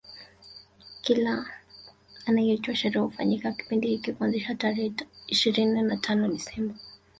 Kila inayoitwa sherehe hufanyika kipindi hiki kuanzia tarehe ishirini na tano Desemba